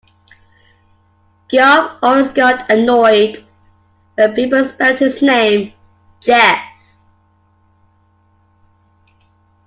Geoff always got annoyed when people spelt his name Jeff.